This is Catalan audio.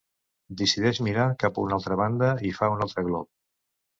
Decideix mirar cap a una altra banda i fa un altre glop.